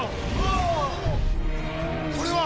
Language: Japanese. これは。